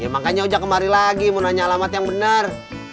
makanya udah kemari lagi mau nanya alamat yang benar